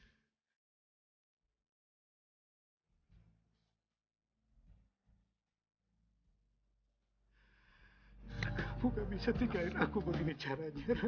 enggak bisa tinggalkan aku begini jarak jarak